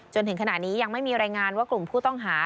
จนถึงขณะนี้ยังไม่มีรายงานว่ากลุ่มผู้ต้องหา